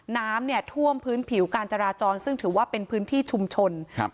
น้ำเนี่ยท่วมพื้นผิวการจราจรซึ่งถือว่าเป็นพื้นที่ชุมชนครับ